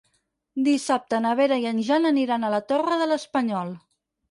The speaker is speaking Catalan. Dissabte na Vera i en Jan aniran a la Torre de l'Espanyol.